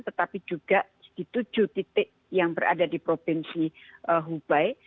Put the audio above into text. tetapi juga di tujuh titik yang berada di provinsi hubei